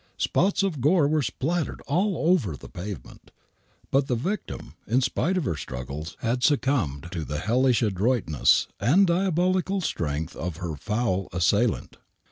Spots of gore were spattered all over the pavement. But the victim, in spite of her struggles, had succumbed to the hellish adroitness and diabolical strength of her foul assailant.